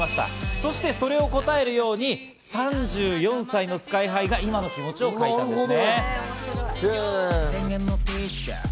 そしてそれに答えるように３４歳のＳＫＹ−ＨＩが今の気持ちを書いたんですね。